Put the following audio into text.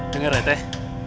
dengar ya teh